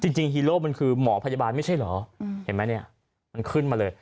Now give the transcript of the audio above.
จริงฮีโร่มันคือหมอพยาบาลไม่ใช่เหรอเห็นไหมเนี่ยมันขึ้นมาเลย